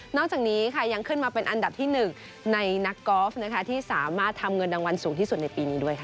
จากนี้ค่ะยังขึ้นมาเป็นอันดับที่๑ในนักกอล์ฟที่สามารถทำเงินรางวัลสูงที่สุดในปีนี้ด้วยค่ะ